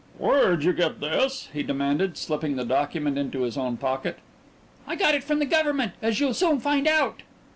"Where'd you get this?" he demanded, slipping the document into his own pocket. "I got it from the Government, as you'll soon find out!"